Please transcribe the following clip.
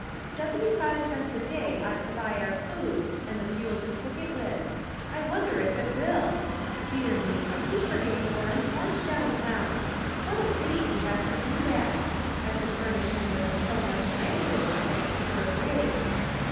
" Seventy five cents a day ought to buy our food and the fuel to cook it with ; I wonder if it will ? Dear me ! I am forgetting Warren's lunch down town ! What a pity he has to do that; I could furnish him with a so much nicer one at cheaper rates.